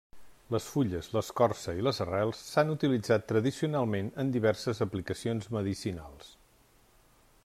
Les fulles, l'escorça i les arrels s'han utilitzat tradicionalment en diverses aplicacions medicinals.